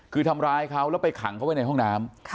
คือทำร้ายเขาแล้วไปขังเขาไว้ในห้องน้ำ